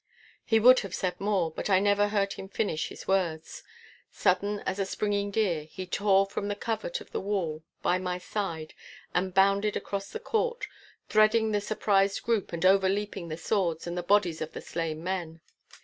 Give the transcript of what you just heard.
He would have said more, but I never heard him finish his words. Sudden as a springing deer, he tore from the covert of the wall by my side and bounded across the court, threading the surprised group and overleaping the swords and the bodies of the slain men.